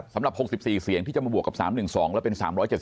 สำหรับ๖๔เสียงที่จะมาบวกกับ๓๑๒และเป็น๓๗